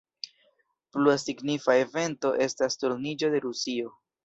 Plua signifa evento estas turniĝo de Rusio.